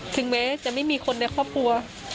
ถึงแม้จะไม่มีคนในครอบครัว